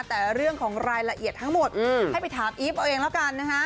แต่เรื่องของรายละเอียดทั้งหมดให้ไปถามอีฟเอาเองแล้วกันนะฮะ